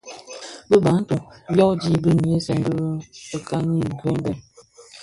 Bi Bantu (Bafia) byodhi bi nyisen bi fikani Greenberg,